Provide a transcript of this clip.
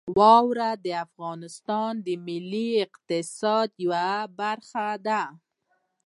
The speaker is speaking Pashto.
واوره د افغانستان د ملي اقتصاد یوه برخه ده.